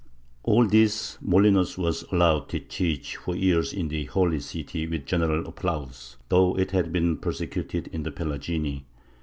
^ All this Molinos was allowed to teach for years in the Holy City with general applause, though it had been persecuted in the Pelagini.